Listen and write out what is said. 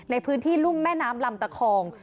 ในพื้นที่รุ่มแม่น้ำลำตะคอง